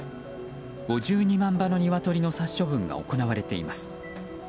５２万羽のニワトリの殺処分が行われています。